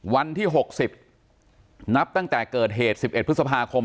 วันที่หกสิบนับตั้งแต่เกิดเหตุสิบเอ็ดพฤษภาคม